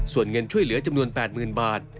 ส่วนเงินช่วยเหลือจำนวน๘๐๐๐บาท